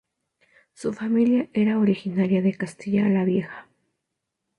Su familia era originaria de Castilla La Vieja.